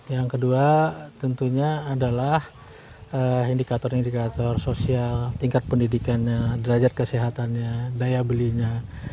yang kedua tentunya adalah indikator indikator sosial tingkat pendidikannya derajat kesehatannya daya belinya